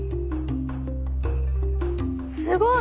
すごい！